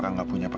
tunggu dulu papa